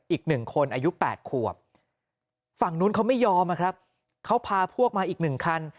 อีกหนึ่งคนอายุ๘ขวบฝั่งนู้นเขาไม่ยอมนะครับเขาพาพวกมาอีกหนึ่งคัน